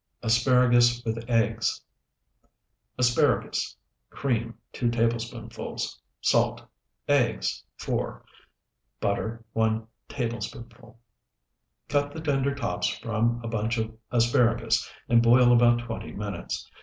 ASPARAGUS WITH EGGS Asparagus. Cream, 2 tablespoonfuls. Salt. Eggs, 4. Butter, 1 tablespoonful. Cut the tender tops from a bunch of asparagus, and boil about twenty minutes.